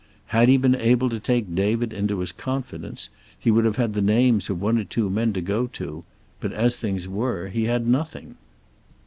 Had he been able to take David into his confidence he would have had the names of one or two men to go to, but as things were he had nothing.